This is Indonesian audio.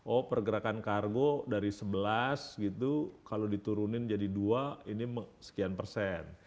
oh pergerakan kargo dari sebelas gitu kalau diturunin jadi dua ini sekian persen